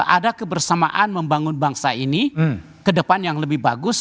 ada kebersamaan membangun bangsa ini ke depan yang lebih bagus